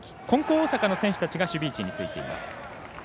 金光大阪の選手たちが守備位置についています。